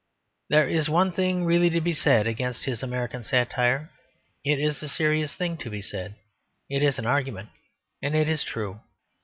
There is one thing really to be said against his American satire; it is a serious thing to be said: it is an argument, and it is true.